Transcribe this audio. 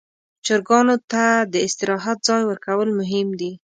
چرګانو ته د استراحت ځای ورکول مهم دي.